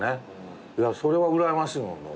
それはうらやましいもん。